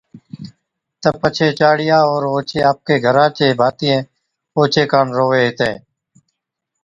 تہ پڇي چاڙِيا اور اوڇي آپڪي گھران چي ڀاتِيئين اوڇي ڪاڻ رووي ھِتين